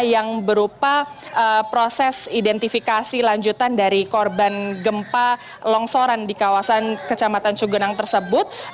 yang berupa proses identifikasi lanjutan dari korban gempa longsoran di kawasan kecamatan cugenang tersebut